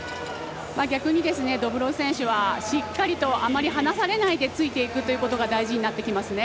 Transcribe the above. ドブロウ選手はしっかりとあまり離されないでついていくのが大事になってきますね。